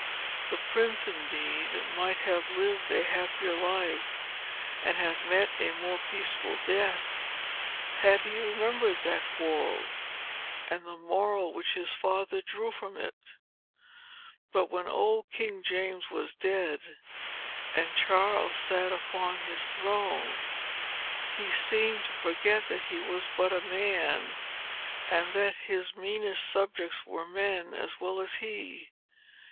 The prince, indeed, might have lived a happier life, and have met a more peaceful death, had he remembered that quarrel, and the moral which his father drew from it. But, when old King James was dead, and Charles sat upon his throne, he seemed to forget that he was but a man, and that his meanest subjects were men as well as he.